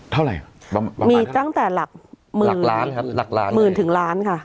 เท่าไหร่บ้างมีตั้งแต่หลักหมื่นหลักล้านครับหลักล้านหมื่นถึงล้านค่ะ